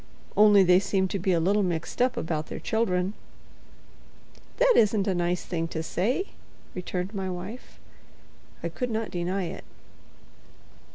"Only they seem to be a little mixed up about their children." "That isn't a nice thing to say," returned my wife. I could not deny it.